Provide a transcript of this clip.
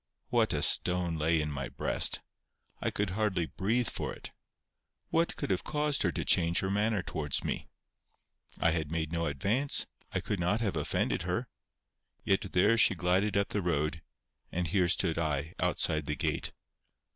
What a stone lay in my breast! I could hardly breathe for it. What could have caused her to change her manner towards me? I had made no advance; I could not have offended her. Yet there she glided up the road, and here stood I, outside the gate.